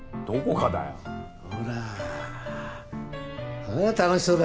ほらああ楽しそうだ。